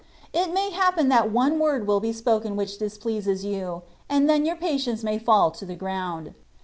It may happen that one word will be spoken which displeases you, and then your patience may fall to the ground.